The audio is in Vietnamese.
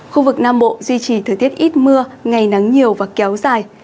khu vực nam bộ duy trì thời tiết ít mưa ngày nắng nhiều và kéo dài